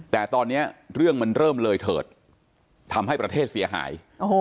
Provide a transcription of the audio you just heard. แต่ตอนนี้เรื่องมันเริ่มเลยเถิดทำให้ประเทศเสียหาย